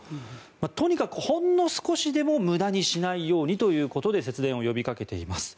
とにかくほんの少しでも無駄にしないようにと節電を呼びかけています。